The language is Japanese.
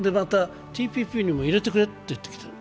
またＴＰＰにも入れてくれと言ってきている。